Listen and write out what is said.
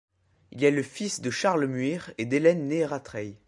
Il est le fils de Charles Muir et d’Helen née Rattray.